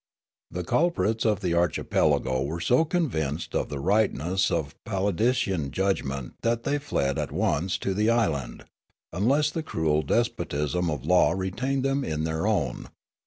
The culprits of the archipelago were so convinced of the rightness of Palindician judgment that they fled at once to the island, unless the cruel despotism of law retained them in their own.